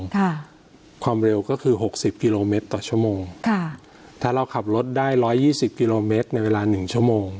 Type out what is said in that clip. ค่ะความเร็วก็คือหกสิบกิโลเมตรต่อชั่วโมงค่ะถ้าเราขับรถได้ร้อยยี่สิบกิโลเมตรในเวลาหนึ่งชั่วโมง